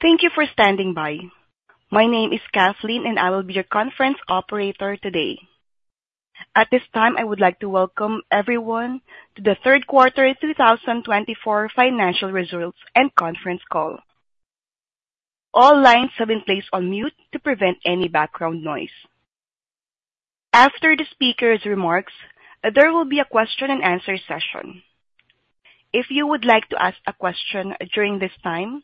Thank you for standing by. My name is Kathleen, and I will be your conference operator today. At this time, I would like to welcome everyone to the third quarter 2024 financial results and conference call. All lines have been placed on mute to prevent any background noise. After the speaker's remarks, there will be a question-and-answer session. If you would like to ask a question during this time,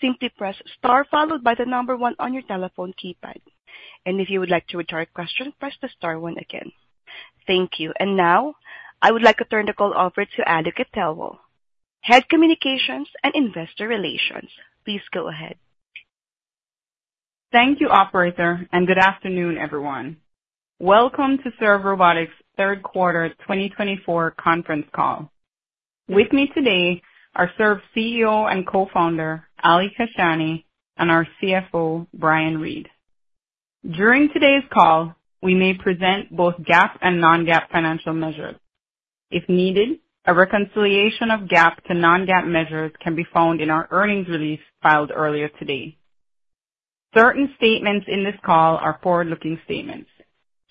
simply press star followed by the number one on your telephone keypad, and if you would like to return a question, press the star one again. Thank you, and now, I would like to turn the call over to Aduke Thelwell, Head of Communications and Investor Relations. Please go ahead. Thank you, Operator, and good afternoon, everyone. Welcome to Serve Robotics third quarter 2024 conference call. With me today are Serve CEO and co-founder, Ali Kashani, and our CFO, Brian Reed. During today's call, we may present both GAAP and non-GAAP financial measures. If needed, a reconciliation of GAAP to non-GAAP measures can be found in our earnings release filed earlier today. Certain statements in this call are forward-looking statements.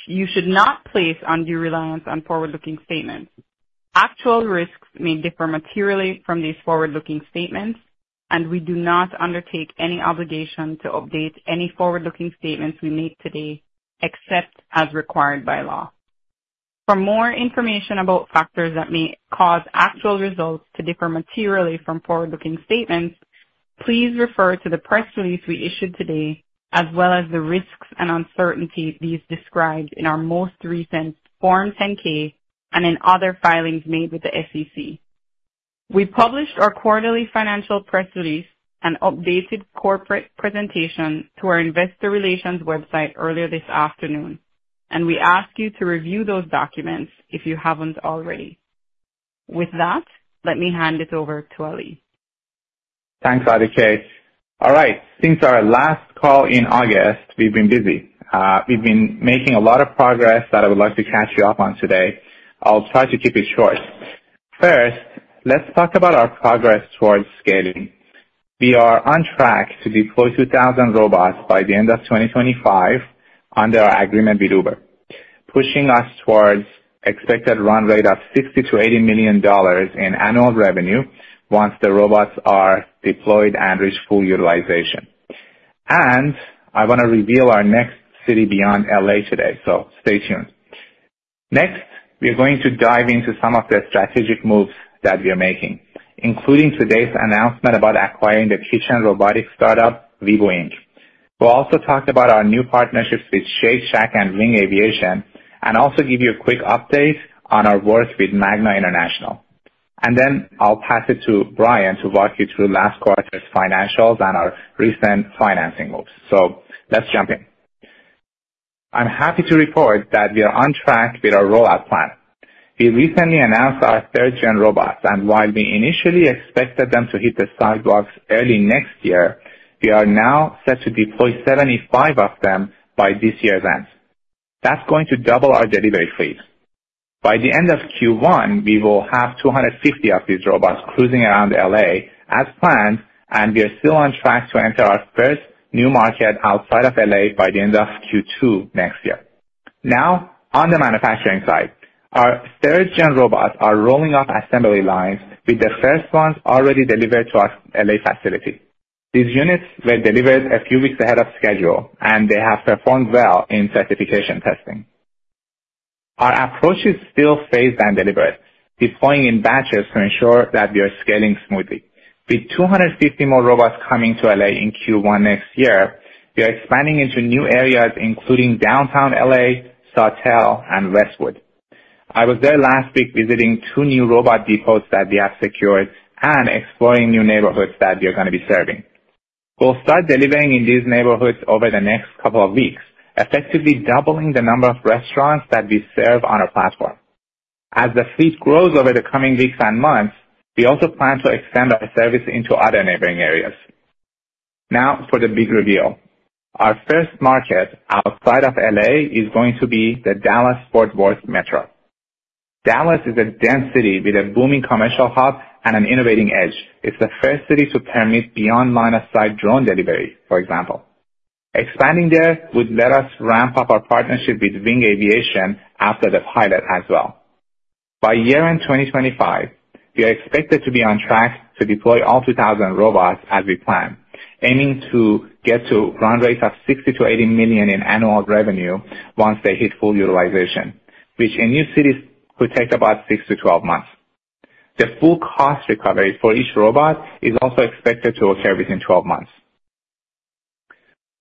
You should not place undue reliance on forward-looking statements. Actual risks may differ materially from these forward-looking statements, and we do not undertake any obligation to update any forward-looking statements we make today except as required by law. For more information about factors that may cause actual results to differ materially from forward-looking statements, please refer to the press release we issued today, as well as the risks and uncertainties described in our most recent Form 10-K and in other filings made with the SEC. We published our quarterly financial press release and updated corporate presentation to our investor relations website earlier this afternoon, and we ask you to review those documents if you haven't already. With that, let me hand it over to Ali. Thanks, Ali K. All right, since our last call in August, we've been busy. We've been making a lot of progress that I would like to catch you up on today. I'll try to keep it short. First, let's talk about our progress towards scaling. We are on track to deploy 2,000 robots by the end of 2025 under our agreement with Uber, pushing us towards an expected run rate of $60-$80 million in annual revenue once the robots are deployed and reach full utilization, and I want to reveal our next city beyond LA today, so stay tuned. Next, we're going to dive into some of the strategic moves that we are making, including today's announcement about acquiring the kitchen robotics startup, Vebu. We'll also talk about our new partnerships with Shake Shack and Wing Aviation, and also give you a quick update on our work with Magna International. And then I'll pass it to Brian to walk you through last quarter's financials and our recent financing moves. So let's jump in. I'm happy to report that we are on track with our rollout plan. We recently announced our third-gen robots, and while we initially expected them to hit the sidewalks early next year, we are now set to deploy 75 of them by this year's end. That's going to double our delivery fleet. By the end of Q1, we will have 250 of these robots cruising around LA as planned, and we are still on track to enter our first new market outside of LA by the end of Q2 next year. Now, on the manufacturing side, our third-gen robots are rolling off assembly lines, with the first ones already delivered to our LA facility. These units were delivered a few weeks ahead of schedule, and they have performed well in certification testing. Our approach is still phased and deliberate, deploying in batches to ensure that we are scaling smoothly. With 250 more robots coming to LA in Q1 next year, we are expanding into new areas, including downtown LA, Sawtelle, and Westwood. I was there last week visiting two new robot depots that we have secured and exploring new neighborhoods that we are going to be serving. We'll start delivering in these neighborhoods over the next couple of weeks, effectively doubling the number of restaurants that we serve on our platform. As the fleet grows over the coming weeks and months, we also plan to extend our service into other neighboring areas. Now, for the big reveal. Our first market outside of LA is going to be the Dallas-Fort Worth metro. Dallas is a dense city with a booming commercial hub and an innovative edge. It's the first city to permit beyond line-of-sight drone delivery, for example. Expanding there would let us ramp up our partnership with Wing Aviation after the pilot as well. By year-end 2025, we are expected to be on track to deploy all 2,000 robots as we plan, aiming to get to a run rate of $60–$80 million in annual revenue once they hit full utilization, which in new cities could take about 6-12 months. The full cost recovery for each robot is also expected to occur within 12 months.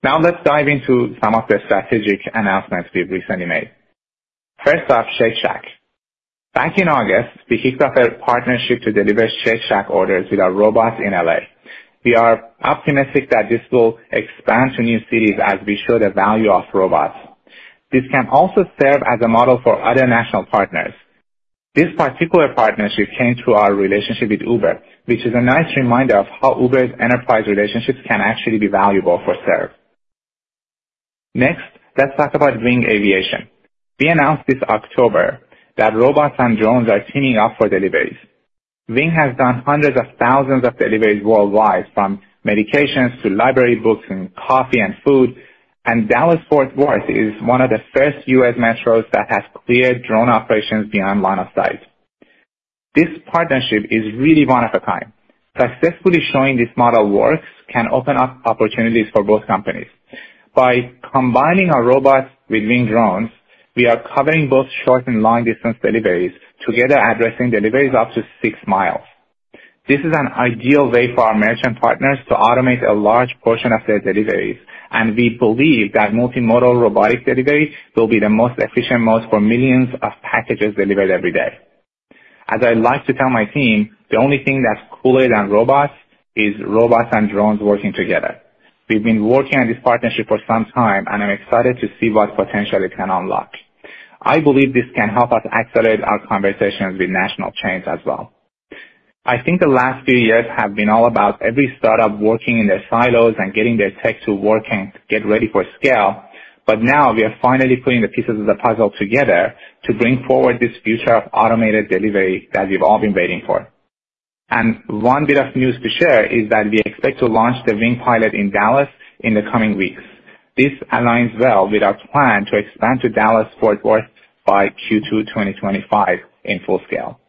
Now, let's dive into some of the strategic announcements we've recently made. First off, Shake Shack. Back in August, we kicked off a partnership to deliver Shake Shack orders with our robots in LA. We are optimistic that this will expand to new cities as we show the value of robots. This can also serve as a model for other national partners. This particular partnership came through our relationship with Uber, which is a nice reminder of how Uber's enterprise relationships can actually be valuable for Serve. Next, let's talk about Wing Aviation. We announced this October that robots and drones are teaming up for deliveries. Wing has done hundreds of thousands of deliveries worldwide, from medications to library books and coffee and food, and Dallas-Fort Worth is one of the first US metros that has cleared drone operations beyond line of sight. This partnership is really one of a kind. Successfully showing this model works can open up opportunities for both companies. By combining our robots with Wing drones, we are covering both short and long-distance deliveries, together addressing deliveries up to six miles. This is an ideal way for our merchant partners to automate a large portion of their deliveries, and we believe that multimodal robotic delivery will be the most efficient mode for millions of packages delivered every day. As I like to tell my team, the only thing that's cooler than robots is robots and drones working together. We've been working on this partnership for some time, and I'm excited to see what potential it can unlock. I believe this can help us accelerate our conversations with national chains as well. I think the last few years have been all about every startup working in their silos and getting their tech to work and get ready for scale, but now we are finally putting the pieces of the puzzle together to bring forward this future of automated delivery that we've all been waiting for, and one bit of news to share is that we expect to launch the Wing pilot in Dallas in the coming weeks. This aligns well with our plan to expand to Dallas-Fort Worth by Q2 2025 in full scale.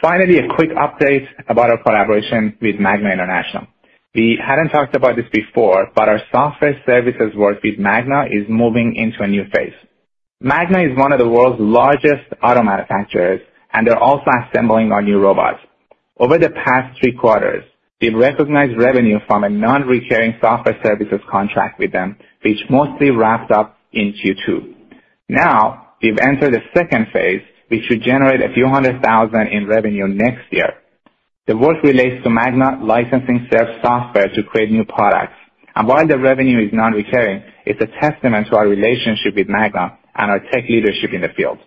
Finally, a quick update about our collaboration with Magna International. We hadn't talked about this before, but our software services work with Magna is moving into a new phase. Magna is one of the world's largest auto manufacturers, and they're also assembling our new robots. Over the past three quarters, we've recognized revenue from a non-recurring software services contract with them, which mostly wrapped up in Q2. Now, we've entered the second phase, which should generate a few hundred thousand in revenue next year. The work relates to Magna licensing Serve software to create new products. And while the revenue is non-recurring, it's a testament to our relationship with Magna and our tech leadership in the field.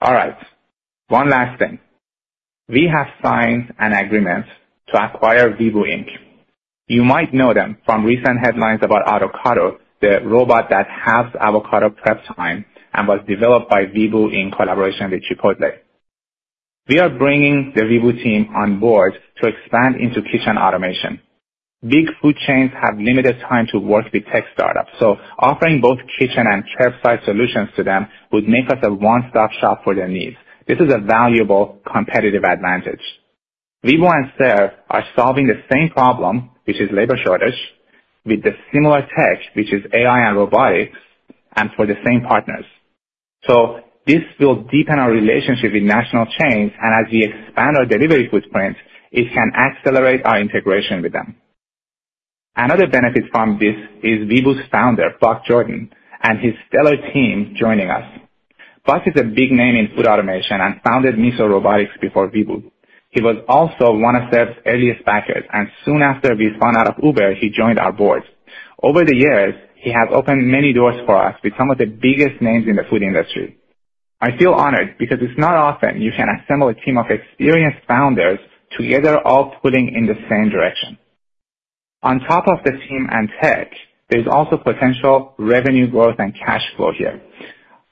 All right, one last thing. We have signed an agreement to acquire Vebu. You might know them from recent headlines about Autocado, the robot that halves avocado prep time and was developed by Vebu in collaboration with Chipotle. We are bringing the Vebu team on board to expand into kitchen automation. Big food chains have limited time to work with tech startups, so offering both kitchen and curbside solutions to them would make us a one-stop shop for their needs. This is a valuable competitive advantage. Vebu and Serve are solving the same problem, which is labor shortage, with the similar tech, which is AI and robotics, and for the same partners. So this will deepen our relationship with national chains, and as we expand our delivery footprint, it can accelerate our integration with them. Another benefit from this is Vebu's founder, Buck Jordan, and his stellar team joining us. Buck is a big name in food automation and founded Miso Robotics before Vebu. He was also one of Serve's earliest backers, and soon after we spun out of Uber, he joined our board. Over the years, he has opened many doors for us with some of the biggest names in the food industry. I feel honored because it's not often you can assemble a team of experienced founders together, all pulling in the same direction. On top of the team and tech, there's also potential revenue growth and cash flow here.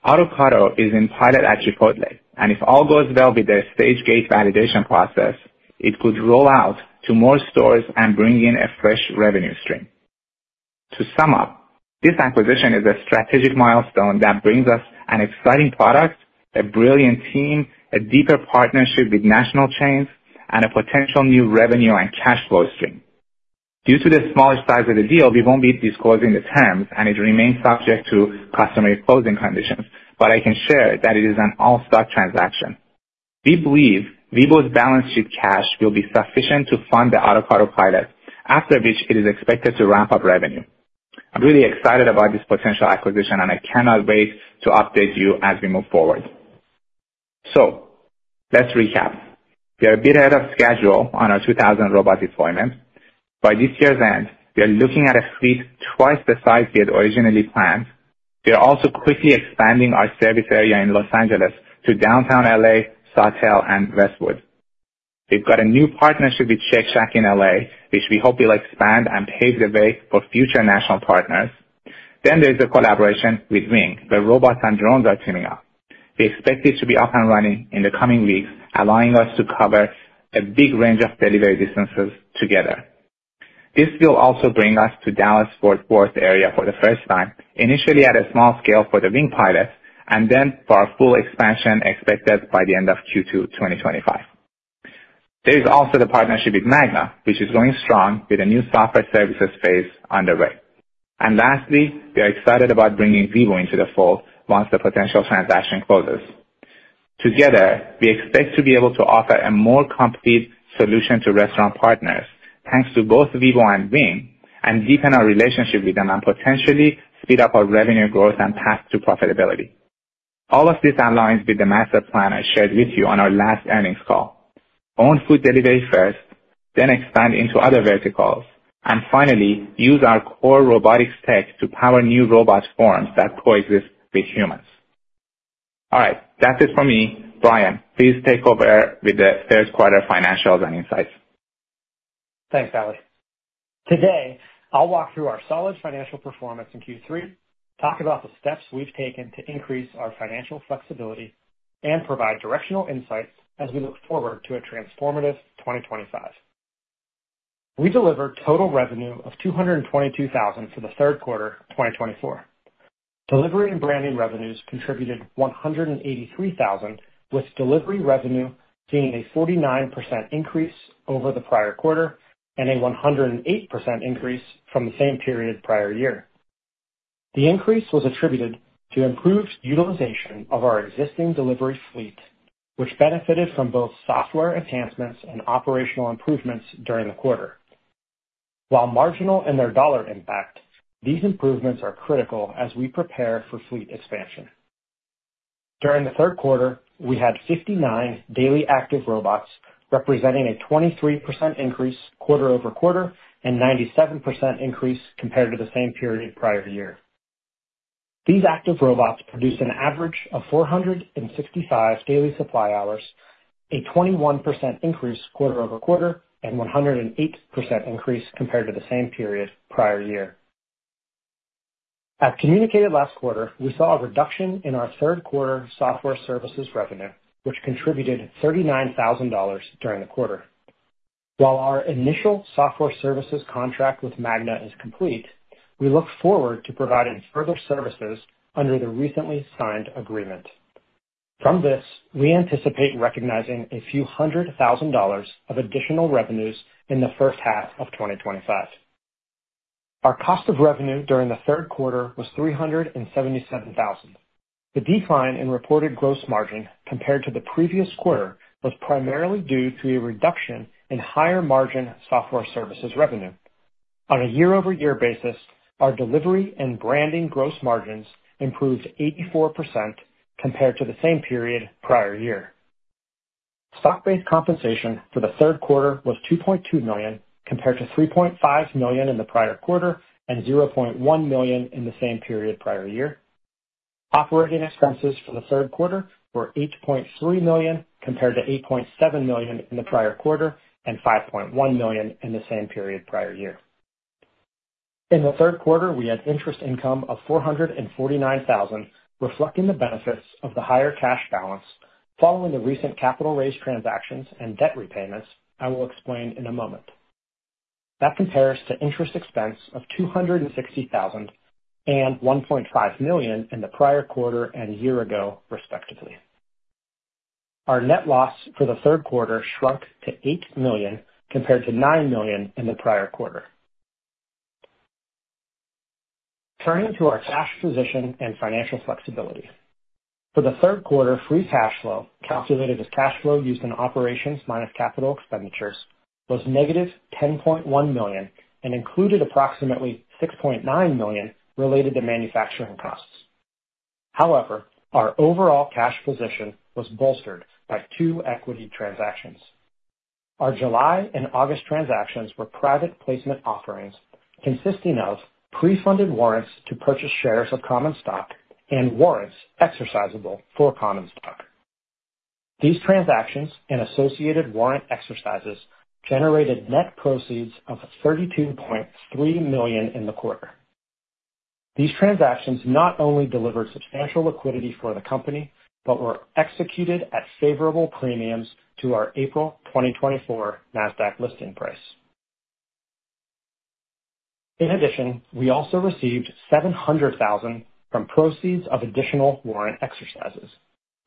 Autocado is in pilot at Chipotle, and if all goes well with their stage gate validation process, it could roll out to more stores and bring in a fresh revenue stream. To sum up, this acquisition is a strategic milestone that brings us an exciting product, a brilliant team, a deeper partnership with national chains, and a potential new revenue and cash flow stream. Due to the smaller size of the deal, we won't be disclosing the terms, and it remains subject to customer closing conditions, but I can share that it is an all-stock transaction. We believe Vebu's balance sheet cash will be sufficient to fund the Autocado pilot, after which it is expected to ramp up revenue. I'm really excited about this potential acquisition, and I cannot wait to update you as we move forward. So let's recap. We are a bit ahead of schedule on our 2,000 robot deployment. By this year's end, we are looking at a fleet twice the size we had originally planned. We are also quickly expanding our service area in Los Angeles to downtown LA, Sawtelle, and Westwood. We've got a new partnership with Shake Shack in LA, which we hope will expand and pave the way for future national partners. Then there's the collaboration with Wing, where robots and drones are teaming up. We expect it to be up and running in the coming weeks, allowing us to cover a big range of delivery distances together. This will also bring us to Dallas-Fort Worth area for the first time, initially at a small scale for the Wing pilot, and then for our full expansion expected by the end of Q2 2025. There is also the partnership with Magna, which is going strong with a new software services phase underway. And lastly, we are excited about bringing Vebu into the fold once the potential transaction closes. Together, we expect to be able to offer a more complete solution to restaurant partners, thanks to both Vebu and Wing, and deepen our relationship with them and potentially speed up our revenue growth and path to profitability. All of this aligns with the master plan I shared with you on our last earnings call. Own food delivery first, then expand into other verticals, and finally, use our core robotics tech to power new robot forms that coexist with humans. All right, that's it for me. Brian, please take over with the third quarter financials and insights. Thanks, Ali. Today, I'll walk through our solid financial performance in Q3, talk about the steps we've taken to increase our financial flexibility, and provide directional insights as we look forward to a transformative 2025. We delivered total revenue of $222,000 for the third quarter of 2024. Delivery and branding revenues contributed $183,000, with delivery revenue seeing a 49% increase over the prior quarter and a 108% increase from the same period prior year. The increase was attributed to improved utilization of our existing delivery fleet, which benefited from both software enhancements and operational improvements during the quarter. While marginal in their dollar impact, these improvements are critical as we prepare for fleet expansion. During the third quarter, we had 59 daily active robots, representing a 23% increase quarter over quarter and 97% increase compared to the same period prior year. These active robots produced an average of 465 daily supply hours, a 21% increase quarter over quarter, and 108% increase compared to the same period prior year. As communicated last quarter, we saw a reduction in our third quarter software services revenue, which contributed $39,000 during the quarter. While our initial software services contract with Magna is complete, we look forward to providing further services under the recently signed agreement. From this, we anticipate recognizing a few hundred thousand dollars of additional revenues in the first half of 2025. Our cost of revenue during the third quarter was $377,000. The decline in reported gross margin compared to the previous quarter was primarily due to a reduction in higher margin software services revenue. On a year-over-year basis, our delivery and branding gross margins improved 84% compared to the same period prior year. Stock-based compensation for the third quarter was $2.2 million, compared to $3.5 million in the prior quarter and $0.1 million in the same period prior year. Operating expenses for the third quarter were $8.3 million compared to $8.7 million in the prior quarter and $5.1 million in the same period prior year. In the third quarter, we had interest income of $449,000, reflecting the benefits of the higher cash balance following the recent capital raise transactions and debt repayments I will explain in a moment. That compares to interest expense of $260,000 and $1.5 million in the prior quarter and year ago, respectively. Our net loss for the third quarter shrunk to $8 million compared to $9 million in the prior quarter. Turning to our cash position and financial flexibility. For the third quarter, free cash flow, calculated as cash flow from operations minus capital expenditures, was negative $10.1 million and included approximately $6.9 million related to manufacturing costs. However, our overall cash position was bolstered by two equity transactions. Our July and August transactions were private placement offerings, consisting of pre-funded warrants to purchase shares of common stock and warrants exercisable for common stock. These transactions and associated warrant exercises generated net proceeds of $32.3 million in the quarter. These transactions not only delivered substantial liquidity for the company, but were executed at favorable premiums to our April 2024 NASDAQ listing price. In addition, we also received $700,000 from proceeds of additional warrant exercises.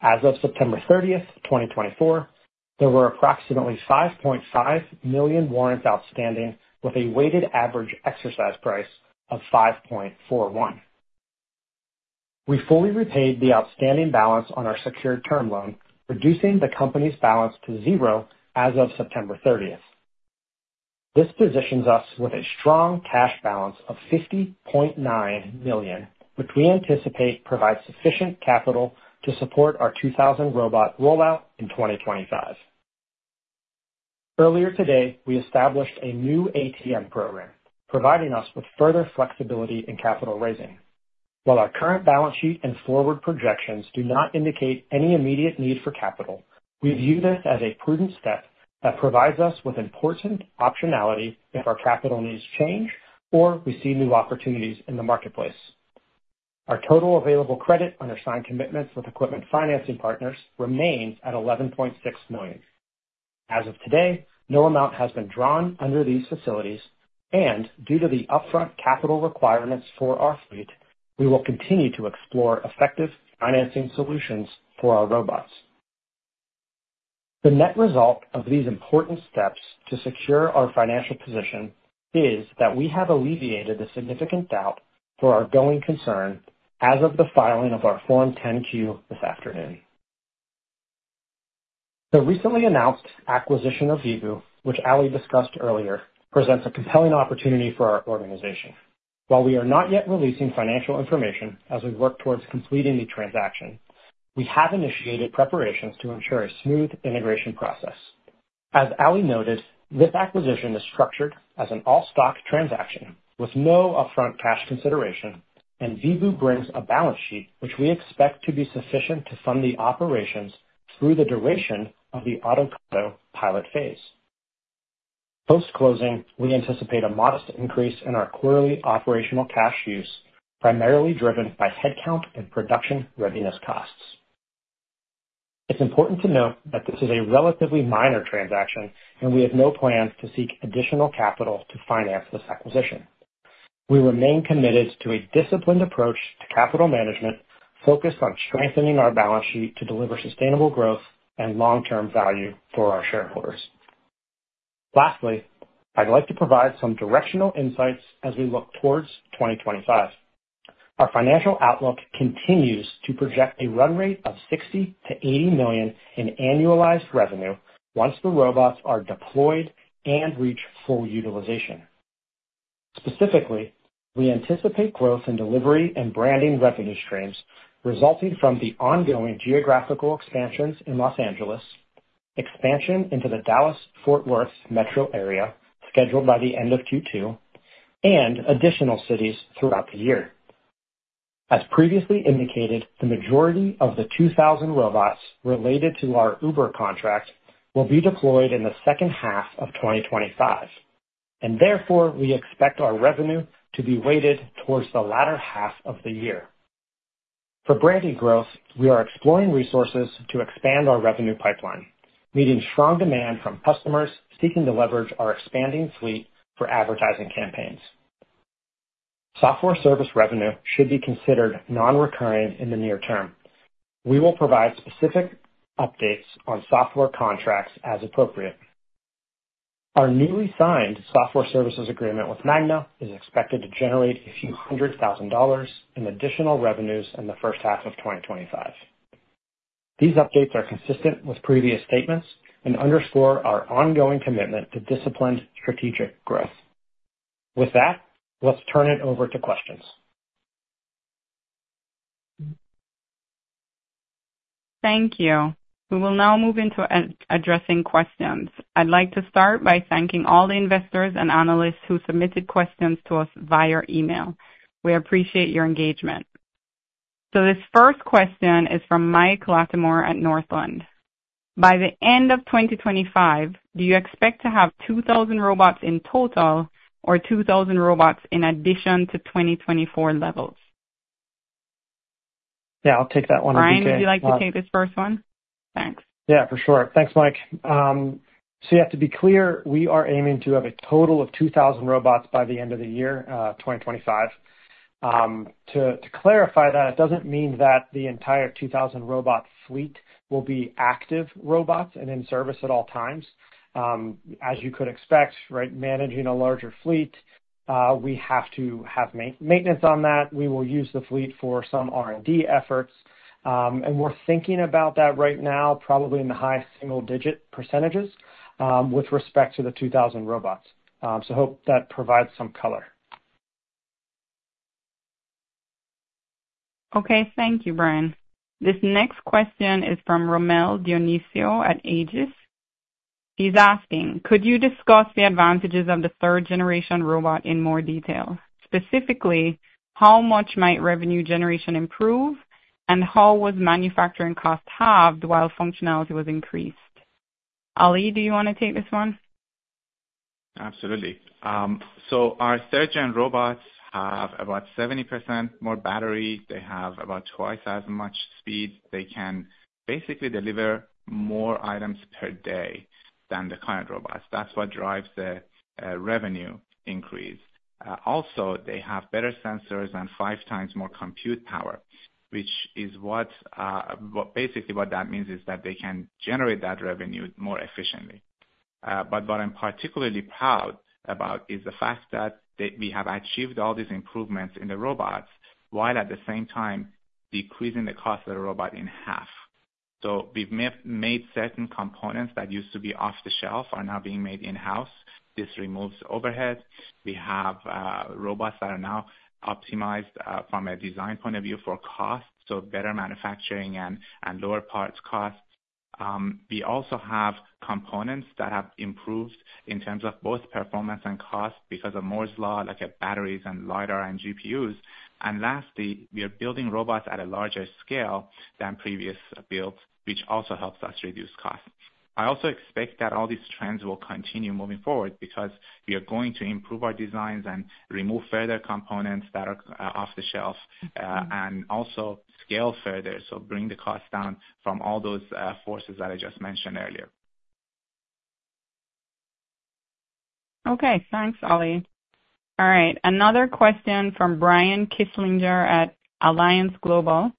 As of September 30, 2024, there were approximately 5.5 million warrants outstanding, with a weighted average exercise price of $5.41. We fully repaid the outstanding balance on our secured term loan, reducing the company's balance to zero as of September 30. This positions us with a strong cash balance of $50.9 million, which we anticipate provides sufficient capital to support our 2,000 robot rollout in 2025. Earlier today, we established a new ATM program, providing us with further flexibility in capital raising. While our current balance sheet and forward projections do not indicate any immediate need for capital, we view this as a prudent step that provides us with important optionality if our capital needs change or we see new opportunities in the marketplace. Our total available credit under signed commitments with equipment financing partners remains at $11.6 million. As of today, no amount has been drawn under these facilities, and due to the upfront capital requirements for our fleet, we will continue to explore effective financing solutions for our robots. The net result of these important steps to secure our financial position is that we have alleviated the significant doubt for our going concern as of the filing of our Form 10-Q this afternoon. The recently announced acquisition of Vebu, which Ali discussed earlier, presents a compelling opportunity for our organization. While we are not yet releasing financial information as we work towards completing the transaction, we have initiated preparations to ensure a smooth integration process. As Ali noted, this acquisition is structured as an all-stock transaction with no upfront cash consideration, and Vebu brings a balance sheet which we expect to be sufficient to fund the operations through the duration of the Autocado pilot phase. Post-closing, we anticipate a modest increase in our quarterly operational cash use, primarily driven by headcount and production readiness costs. It's important to note that this is a relatively minor transaction, and we have no plans to seek additional capital to finance this acquisition. We remain committed to a disciplined approach to capital management, focused on strengthening our balance sheet to deliver sustainable growth and long-term value for our shareholders. Lastly, I'd like to provide some directional insights as we look towards 2025. Our financial outlook continues to project a run rate of $60–$80 million in annualized revenue once the robots are deployed and reach full utilization. Specifically, we anticipate growth in delivery and branding revenue streams resulting from the ongoing geographical expansions in Los Angeles, expansion into the Dallas-Fort Worth metro area scheduled by the end of Q2, and additional cities throughout the year. As previously indicated, the majority of the 2,000 robots related to our Uber contract will be deployed in the second half of 2025, and therefore we expect our revenue to be weighted towards the latter half of the year. For branding growth, we are exploring resources to expand our revenue pipeline, meeting strong demand from customers seeking to leverage our expanding fleet for advertising campaigns. Software service revenue should be considered non-recurring in the near term. We will provide specific updates on software contracts as appropriate. Our newly signed software services agreement with Magna is expected to generate a few hundred thousand dollars in additional revenues in the first half of 2025. These updates are consistent with previous statements and underscore our ongoing commitment to disciplined strategic growth. With that, let's turn it over to questions. Thank you. We will now move into addressing questions. I'd like to start by thanking all the investors and analysts who submitted questions to us via email. We appreciate your engagement. So this first question is from Mike Latimore at Northland. By the end of 2025, do you expect to have 2,000 robots in total or 2,000 robots in addition to 2024 levels? Yeah, I'll take that one as well. Brian, would you like to take this first one? Thanks. Yeah, for sure. Thanks, Mike. So you have to be clear, we are aiming to have a total of 2,000 robots by the end of the year 2025. To clarify that, it doesn't mean that the entire 2,000 robot fleet will be active robots and in service at all times. As you could expect, right, managing a larger fleet, we have to have maintenance on that. We will use the fleet for some R&D efforts. And we're thinking about that right now, probably in the high single-digit % with respect to the 2,000 robots. So I hope that provides some color. Okay, thank you, Brian. This next question is from Rommel Dionisio at Aegis. He's asking, could you discuss the advantages of the third-generation robot in more detail? Specifically, how much might revenue generation improve and how was manufacturing cost halved while functionality was increased? Ali, do you want to take this one? Absolutely. So our third-gen robots have about 70% more battery. They have about twice as much speed. They can basically deliver more items per day than the current robots. That's what drives the revenue increase. Also, they have better sensors and five times more compute power, which is what basically that means is that they can generate that revenue more efficiently. But what I'm particularly proud about is the fact that we have achieved all these improvements in the robots while at the same time decreasing the cost of the robot in half. So we've made certain components that used to be off the shelf are now being made in-house. This removes overhead. We have robots that are now optimized from a design point of view for cost, so better manufacturing and lower parts cost. We also have components that have improved in terms of both performance and cost because of Moore's Law, like batteries and LiDAR and GPUs, and lastly, we are building robots at a larger scale than previous builds, which also helps us reduce costs. I also expect that all these trends will continue moving forward because we are going to improve our designs and remove further components that are off the shelf and also scale further, so bring the cost down from all those forces that I just mentioned earlier. Okay, thanks, Ali. All right, another question from Brian Kinstlinger at Alliance Global.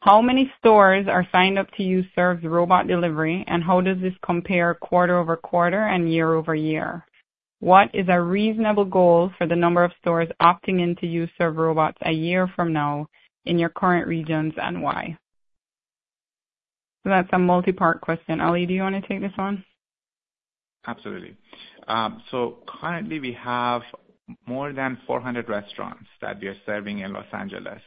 How many stores are signed up to use Serve robot delivery, and how does this compare quarter over quarter and year-over-year? What is a reasonable goal for the number of stores opting in to use Serve robots a year from now in your current regions and why? So that's a multi-part question. Ali, do you want to take this one? Absolutely. So currently, we have more than 400 restaurants that we are serving in Los Angeles.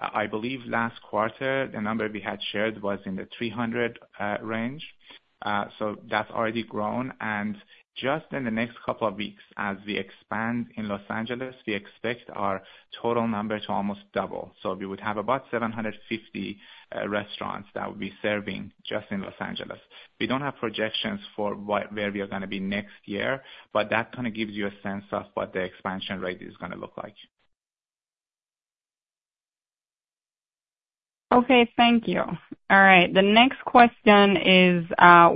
I believe last quarter, the number we had shared was in the 300 range. So that's already grown. And just in the next couple of weeks, as we expand in Los Angeles, we expect our total number to almost double. So we would have about 750 restaurants that would be serving just in Los Angeles. We don't have projections for where we are going to be next year, but that kind of gives you a sense of what the expansion rate is going to look like. Okay, thank you. All right, the next question is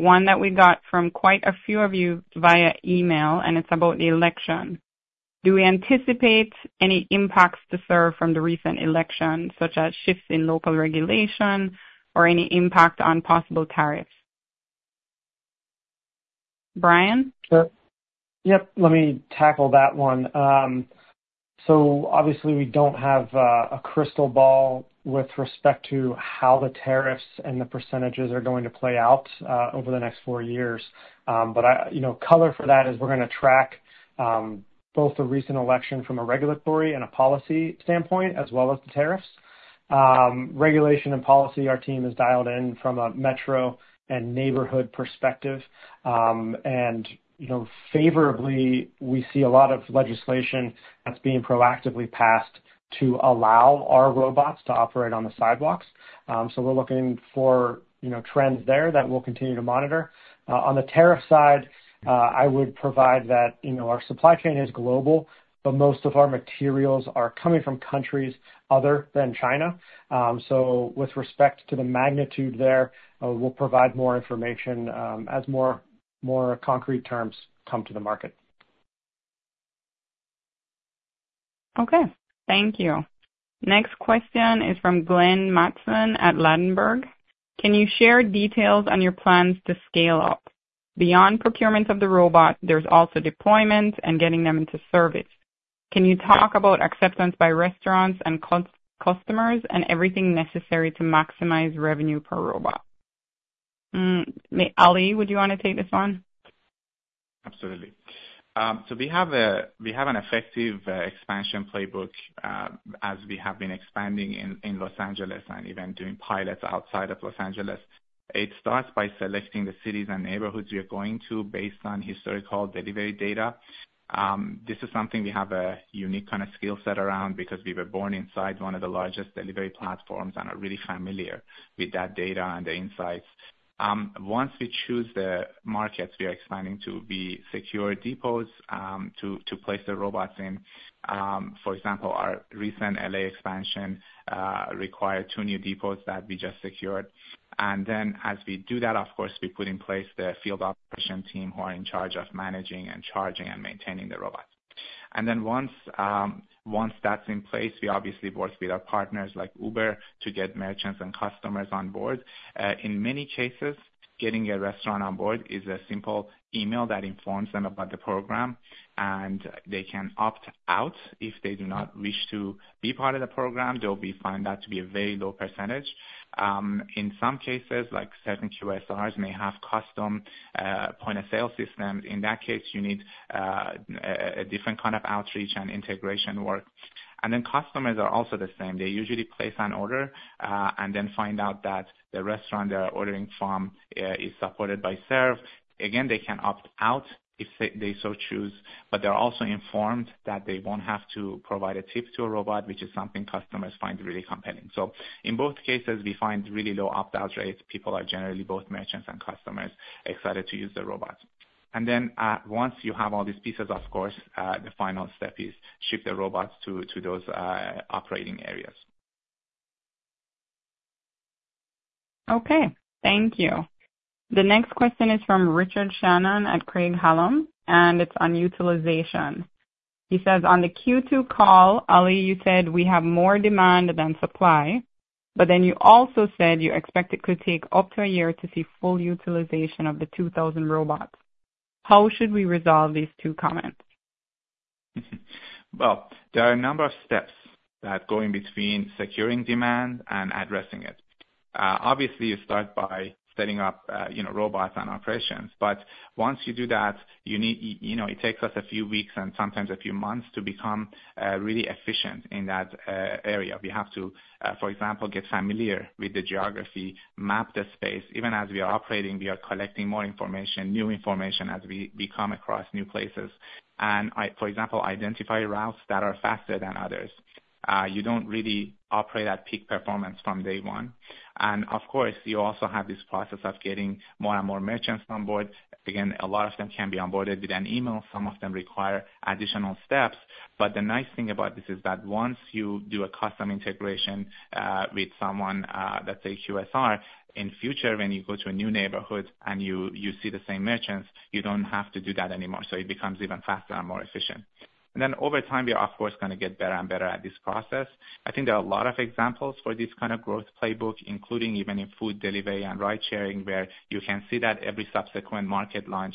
one that we got from quite a few of you via email, and it's about the election. Do we anticipate any impacts to Serve from the recent election, such as shifts in local regulation or any impact on possible tariffs? Brian? Yep, let me tackle that one. So obviously, we don't have a crystal ball with respect to how the tariffs and the percentages are going to play out over the next four years. But color for that is we're going to track both the recent election from a regulatory and a policy standpoint, as well as the tariffs. Regulation and policy, our team is dialed in from a metro and neighborhood perspective. And favorably, we see a lot of legislation that's being proactively passed to allow our robots to operate on the sidewalks. So we're looking for trends there that we'll continue to monitor. On the tariff side, I would provide that our supply chain is global, but most of our materials are coming from countries other than China. So with respect to the magnitude there, we'll provide more information as more concrete terms come to the market. Okay, thank you. Next question is from Glenn Mattson at Ladenburg Thalmann. Can you share details on your plans to scale up? Beyond procurement of the robot, there's also deployment and getting them into service. Can you talk about acceptance by restaurants and customers and everything necessary to maximize revenue per robot? Ali, would you want to take this one? Absolutely. So we have an effective expansion playbook as we have been expanding in Los Angeles and even doing pilots outside of Los Angeles. It starts by selecting the cities and neighborhoods we are going to based on historical delivery data. This is something we have a unique kind of skill set around because we were born inside one of the largest delivery platforms and are really familiar with that data and the insights. Once we choose the markets we are expanding to, we secure depots to place the robots in. For example, our recent LA expansion required two new depots that we just secured. And then as we do that, of course, we put in place the field operation team who are in charge of managing and charging and maintaining the robots. And then once that's in place, we obviously work with our partners like Uber to get merchants and customers on board. In many cases, getting a restaurant on board is a simple email that informs them about the program, and they can opt out if they do not wish to be part of the program. They'll find that to be a very low percentage. In some cases, like certain QSRs, may have custom point-of-sale systems. In that case, you need a different kind of outreach and integration work. And then customers are also the same. They usually place an order and then find out that the restaurant they're ordering from is supported by Serve. Again, they can opt out if they so choose, but they're also informed that they won't have to provide a tip to a robot, which is something customers find really compelling. So in both cases, we find really low opt-out rates. People are generally both merchants and customers excited to use the robots. And then once you have all these pieces, of course, the final step is ship the robots to those operating areas. Okay, thank you. The next question is from Richard Shannon at Craig-Hallum, and it's on utilization. He says, "On the Q2 call, Ali, you said we have more demand than supply, but then you also said you expect it could take up to a year to see full utilization of the 2,000 robots. How should we resolve these two comments? There are a number of steps that go in between securing demand and addressing it. Obviously, you start by setting up robots and operations, but once you do that, it takes us a few weeks and sometimes a few months to become really efficient in that area. We have to, for example, get familiar with the geography, map the space. Even as we are operating, we are collecting more information, new information as we come across new places. And I, for example, identify routes that are faster than others. You don't really operate at peak performance from day one. And of course, you also have this process of getting more and more merchants on board. Again, a lot of them can be onboarded with an email. Some of them require additional steps. But the nice thing about this is that once you do a custom integration with someone, let's say QSR, in future, when you go to a new neighborhood and you see the same merchants, you don't have to do that anymore. So it becomes even faster and more efficient. And then over time, we are, of course, going to get better and better at this process. I think there are a lot of examples for this kind of growth playbook, including even in food delivery and ride-sharing, where you can see that every subsequent market launch,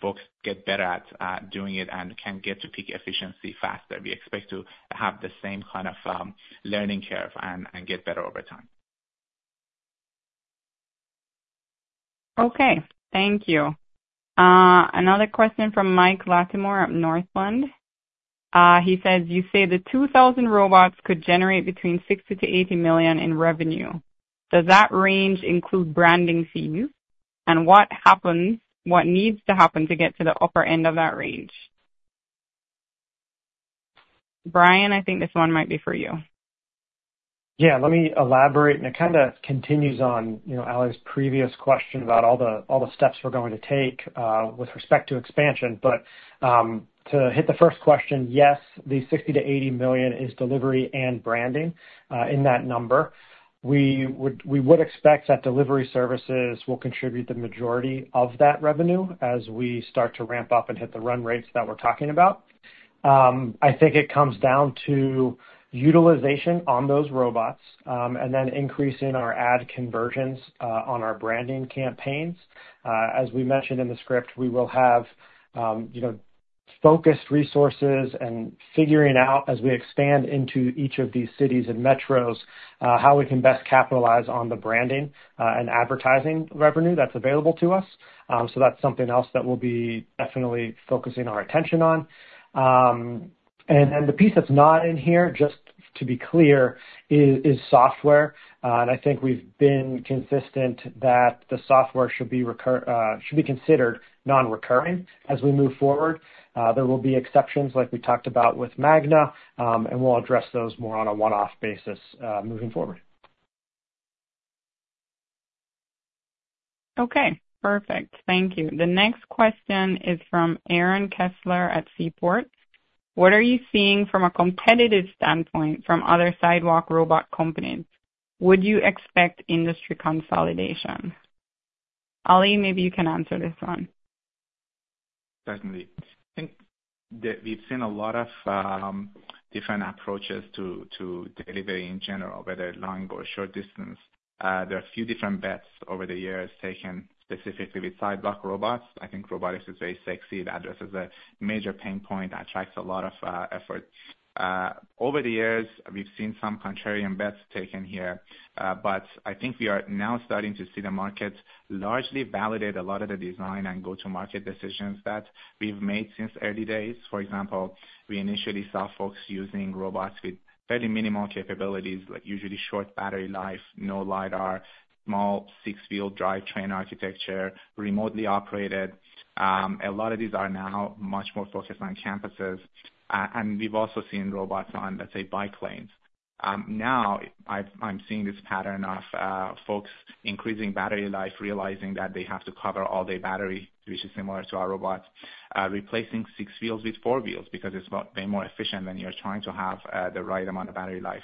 folks get better at doing it and can get to peak efficiency faster. We expect to have the same kind of learning curve and get better over time. Okay, thank you. Another question from Mike Latimore at Northland. He says, "You say the 2,000 robots could generate between $60-$80 million in revenue. Does that range include branding fees? And what needs to happen to get to the upper end of that range?" Brian, I think this one might be for you. Yeah, let me elaborate, and it kind of continues on Ali's previous question about all the steps we're going to take with respect to expansion, but to hit the first question, yes, the $60 million-$80 million is delivery and branding in that number. We would expect that delivery services will contribute the majority of that revenue as we start to ramp up and hit the run rates that we're talking about. I think it comes down to utilization on those robots and then increasing our ad conversions on our branding campaigns. As we mentioned in the script, we will have focused resources and figuring out, as we expand into each of these cities and metros, how we can best capitalize on the branding and advertising revenue that's available to us, so that's something else that we'll be definitely focusing our attention on. And then the piece that's not in here, just to be clear, is software. And I think we've been consistent that the software should be considered non-recurring as we move forward. There will be exceptions, like we talked about with Magna, and we'll address those more on a one-off basis moving forward. Okay, perfect. Thank you. The next question is from Aaron Kessler at Seaport. What are you seeing from a competitive standpoint from other sidewalk robot companies? Would you expect industry consolidation? Ali, maybe you can answer this one. Certainly. I think we've seen a lot of different approaches to delivery in general, whether long or short distance. There are a few different bets over the years taken specifically with sidewalk robots. I think robotics is very sexy. It addresses a major pain point that attracts a lot of effort. Over the years, we've seen some contrarian bets taken here, but I think we are now starting to see the market largely validate a lot of the design and go-to-market decisions that we've made since early days. For example, we initially saw folks using robots with very minimal capabilities, like usually short battery life, no LiDAR, small six-wheel drive train architecture, remotely operated. A lot of these are now much more focused on campuses, and we've also seen robots on, let's say, bike lanes. Now, I'm seeing this pattern of folks increasing battery life, realizing that they have to cover all day battery, which is similar to our robots, replacing six wheels with four wheels because it's way more efficient than you're trying to have the right amount of battery life.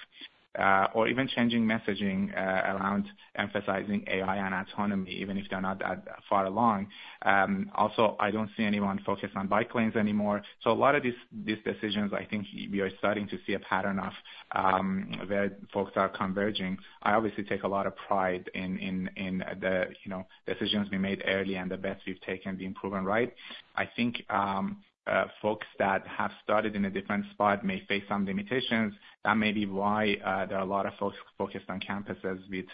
Or even changing messaging around emphasizing AI and autonomy, even if they're not that far along. Also, I don't see anyone focused on bike lanes anymore. So a lot of these decisions, I think we are starting to see a pattern of where folks are converging. I obviously take a lot of pride in the decisions we made early and the bets we've taken being proven right. I think folks that have started in a different spot may face some limitations. That may be why there are a lot of folks focused on campuses with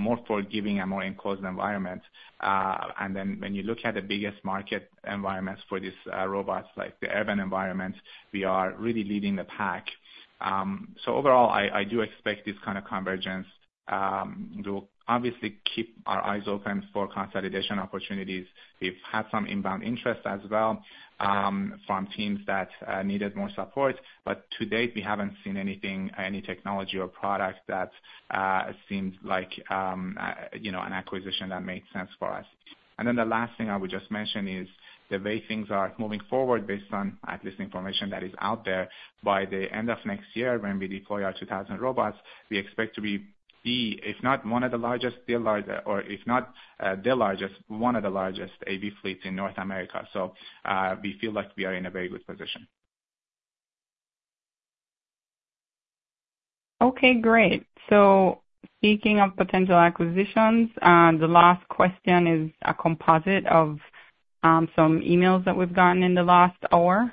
more forgiving and more enclosed environments. And then when you look at the biggest market environments for these robots, like the urban environment, we are really leading the pack. So overall, I do expect this kind of convergence. We will obviously keep our eyes open for consolidation opportunities. We've had some inbound interest as well from teams that needed more support. But to date, we haven't seen anything, any technology or product that seemed like an acquisition that made sense for us. And then the last thing I would just mention is the way things are moving forward based on at least information that is out there. By the end of next year, when we deploy our 2,000 robots, we expect to be, if not one of the largest dealers, or if not the largest, one of the largest AV fleets in North America. So we feel like we are in a very good position. Okay, great. So speaking of potential acquisitions, the last question is a composite of some emails that we've gotten in the last hour,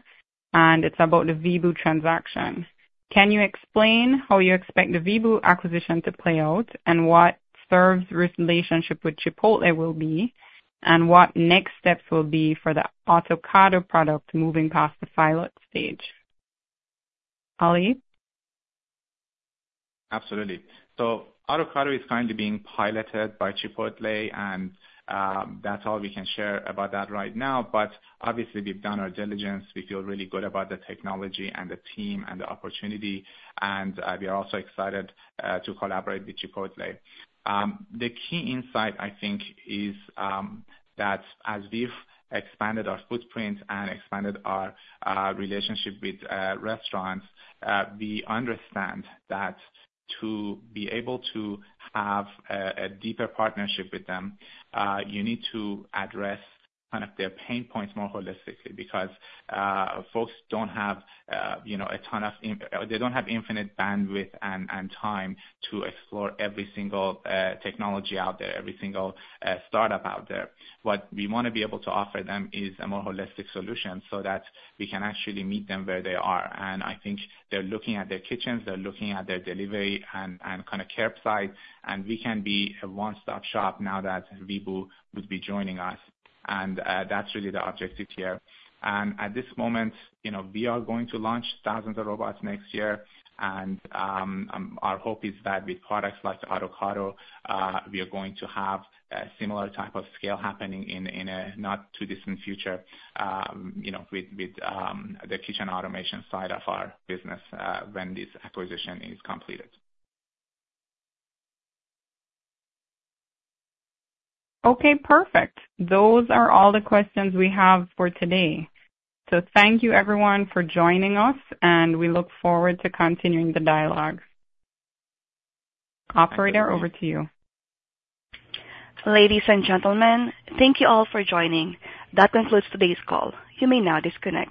and it's about the Vebu transaction. Can you explain how you expect the Vebu acquisition to play out and what Serve's relationship with Chipotle will be, and what next steps will be for the Autocado product moving past the pilot stage? Ali? Absolutely. So Autocado is currently being piloted by Chipotle, and that's all we can share about that right now. But obviously, we've done our diligence. We feel really good about the technology and the team and the opportunity. And we are also excited to collaborate with Chipotle. The key insight, I think, is that as we've expanded our footprint and expanded our relationship with restaurants, we understand that to be able to have a deeper partnership with them, you need to address kind of their pain points more holistically because folks don't have infinite bandwidth and time to explore every single technology out there, every single startup out there. What we want to be able to offer them is a more holistic solution so that we can actually meet them where they are. And I think they're looking at their kitchens. They're looking at their delivery and kind of curbside, and we can be a one-stop shop now that Vebu would be joining us. And that's really the objective here. And at this moment, we are going to launch thousands of robots next year. And our hope is that with products like Autocado, we are going to have a similar type of scale happening in a not too distant future with the kitchen automation side of our business when this acquisition is completed. Okay, perfect. Those are all the questions we have for today. So thank you, everyone, for joining us, and we look forward to continuing the dialogue. Operator, over to you. Ladies and gentlemen, thank you all for joining. That concludes today's call. You may now disconnect.